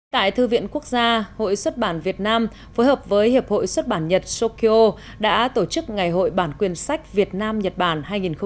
tại thư viện quốc gia hội xuất bản việt nam phối hợp với hiệp hội xuất bản nhật sokyo đã tổ chức ngày hội bản quyền sách việt nam nhật bản hai nghìn một mươi chín